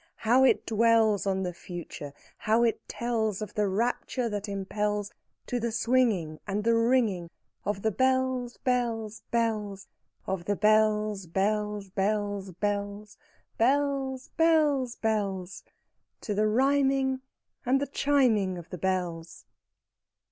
How it dwells On the future! how it tells Of the rapture that impels To the swinging and the ringing Of the bells, bells, bells, Of the bells, bells, bells, bells, Bells, bells, bells To the rhyming and the chiming of the bells!